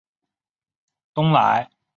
东莱县被升格为东莱都护府。